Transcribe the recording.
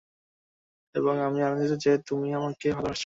এবং আমি আনন্দিত যে, তুমি আমাকে ভালবেসেছো।